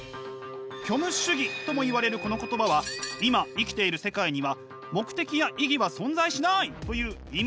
「虚無主義」ともいわれるこの言葉は今生きている世界には目的や意義は存在しないという意味。